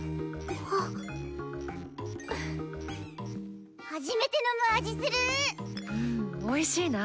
ふむおいしいな。